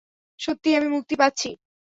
সত্যিই আমি মুক্তি পাচ্ছি?